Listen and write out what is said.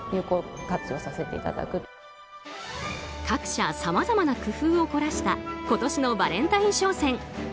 各社さまざまな工夫を凝らした今年のバレンタイン商戦。